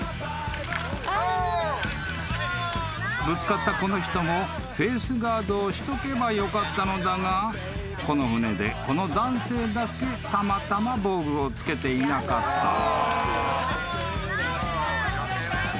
［ぶつかったこの人もフェースガードをしとけばよかったのだがこの船でこの男性だけたまたま防具をつけていなかった］